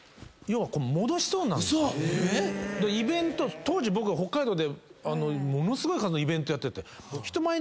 嘘⁉当時僕は北海道でものすごい数のイベントやってて。